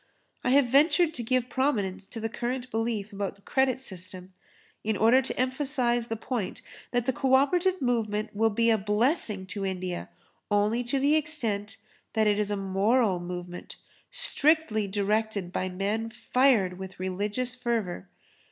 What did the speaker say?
I have ventured to give prominence to the current belief about credit system in order to emphasise the point that the co operative movement will be a blessing to India only to the extent that it is a moral movement strictly directed by men fired with religious fervour.